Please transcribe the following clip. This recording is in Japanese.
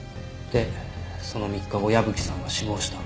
でその３日後矢吹さんは死亡した。